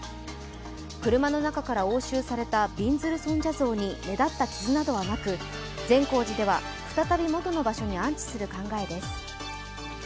車の中から押収されたびんずる尊者像に目立った傷などはなく、善光寺では再び元の場所に安置する考えです。